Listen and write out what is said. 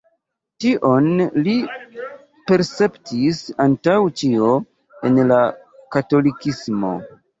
Tion li perceptis antaŭ ĉio en la katolikismo.